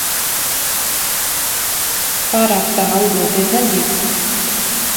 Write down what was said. Pārāk tālu doties nedrīkst.